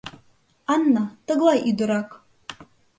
Анна — тыглай ӱдырак.